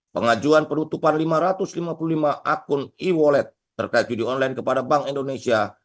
pengajuan penutupan lima ratus lima puluh lima akun e wallet terkait judi online kepada bank indonesia